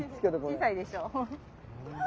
小さいでしょう。